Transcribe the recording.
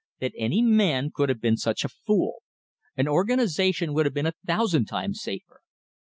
"That any man could have been such a fool. An organisation would have been a thousand times safer.